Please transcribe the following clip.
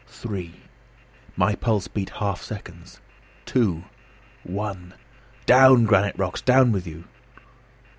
Three!" My pulse beat half seconds. "Two! One! Down, granite rocks; down with you."